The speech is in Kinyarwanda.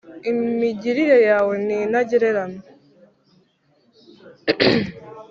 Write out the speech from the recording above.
Imigirire yawe ni intagereranywa